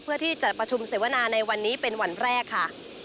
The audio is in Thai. เพื่อที่จะประชุมเสวนาในวันนี้เป็นวันแรกค่ะ